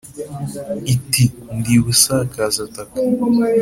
iti : ndi busakaza-taka